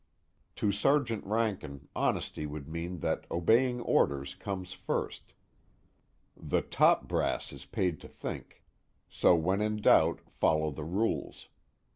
To Sergeant Rankin honesty would mean that obeying orders comes first; the top brass is paid to think, so when in doubt follow the rules.